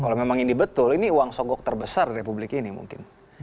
kalau memang ini betul ini uang sogok terbesar republik ini mungkin